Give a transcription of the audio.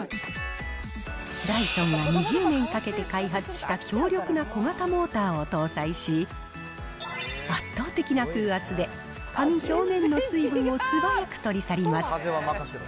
ダイソンが２０年かけて開発した強力な小型モーターを搭載し、圧倒的な風圧で、髪表面の水分をすばやく取り去ります。